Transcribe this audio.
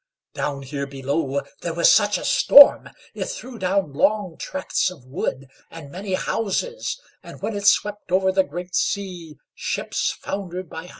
Down here below there was such a storm; it threw down long tracts of wood and many houses, and when it swept over the great sea, ships foundered by hundreds.